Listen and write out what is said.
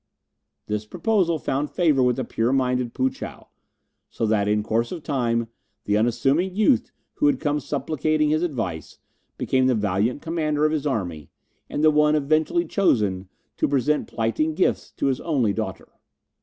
This proposal found favour with the pure minded Poo chow, so that in course of time the unassuming youth who had come supplicating his advice became the valiant commander of his army, and the one eventually chosen to present plighting gifts to his only daughter.